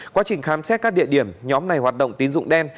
quá trình khám xét các địa điểm nhóm này hoạt động tín dụng đen